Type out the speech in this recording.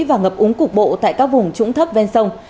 và ngập úng cục bộ tại các vùng trũng thấp ven sông